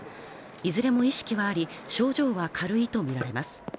いずれも意識はあり症状は軽いと見られます